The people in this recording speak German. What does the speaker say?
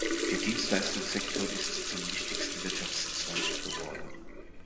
Der Dienstleistungssektor ist zum wichtigsten Wirtschaftszweig geworden.